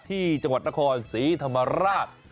ที่จังหวัดนครศรีธรรมราช